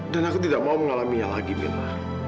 dan aku tidak mau mengalaminya lagi mila